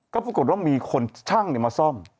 ก็ปรากฏว่ามีคนช่างมาซ่อม